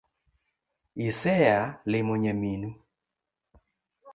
Isea limo nyaminu